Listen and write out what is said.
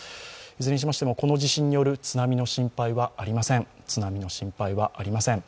いずれにしましても、この地震による津波の心配はありません。